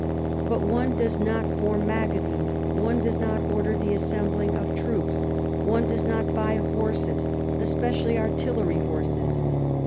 But one does not form magazines, one does not order the assembling of troops, one does not buy horses, especially artillery horses.